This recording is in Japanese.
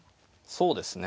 そうですね。